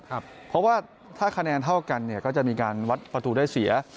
เพราะว่าถ้าคะแนนเท่ากันเนี่ยก็จะมีการวัดประตูได้เสีย